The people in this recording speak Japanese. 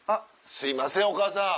すいませんお母さん。